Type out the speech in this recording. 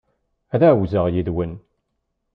Ad ɛawzeɣ yid-wen.